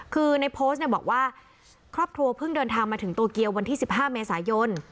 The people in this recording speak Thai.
คือในโพสต์เนี่ยบอกว่าครอบครัวเพิ่งเดินทางมาถึงโตเกียววันที่๑๕เมษายน